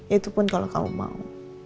itu pun kalau kau mau